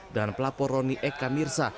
dan pelapor rony eka mirsa